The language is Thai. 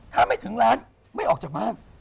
ถ้าไม่ถึงร้านไม่ออกจากบ้าน